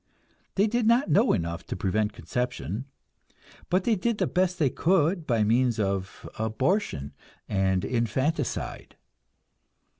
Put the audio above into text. They did not know enough to prevent conception, but they did the best they could by means of abortion and infanticide.